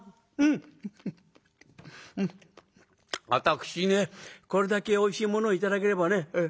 これだけおいしいものを頂ければね」。